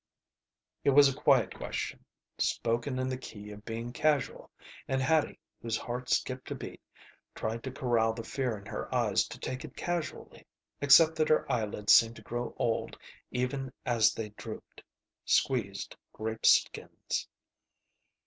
It was a quiet question, spoken in the key of being casual, and Hattie, whose heart skipped a beat, tried to corral the fear in her eyes to take it casually, except that her eyelids seemed to grow old even as they drooped. Squeezed grape skins.